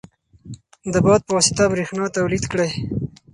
د باد په واسطه برېښنا تولید کړئ.